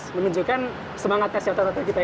dan menunjukkan semangat kesehatan atlet kita